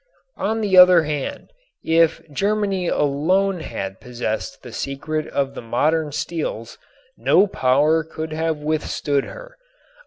On the other hand, if Germany alone had possessed the secret of the modern steels no power could have withstood her.